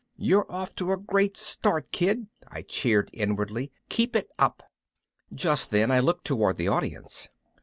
You're off to a great start, kid, I cheered inwardly. Keep it up! Just then I looked toward the audience.